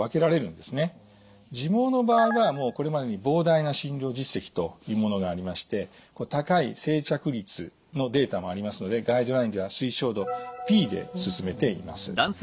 自毛の場合はもうこれまでに膨大な診療実績というものがありまして高い生着率のデータもありますのでガイドラインでは推奨度Ｂで勧めています。